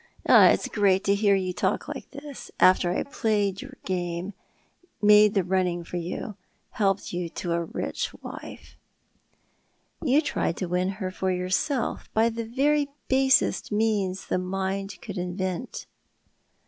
" It's a treat to hear you talk like this, after I played your game, made the running for you, helped you to a rich wife." " You tried to win her for yourself by the very basest means the human mind could invent."